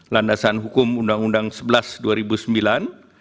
landasan hukum undang undang sebelas dua ribu sembilan